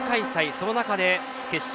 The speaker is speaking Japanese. その中で決勝